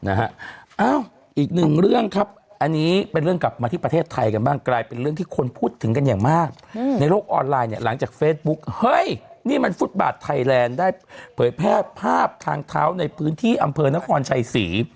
อีกหนึ่งเรื่องครับอันนี้เป็นเรื่องกลับมาที่ประเทศไทยกันบ้างกลายเป็นเรื่องที่คนพูดถึงกันอย่างมากในโลกออนไลน์เนี่ยหลังจากเฟซบุ๊กเฮ้ยนี่มันฟุตบาทไทยแลนด์ได้เผยแพร่ภาพทางเท้าในพื้นที่อำเภอนครชัยศรี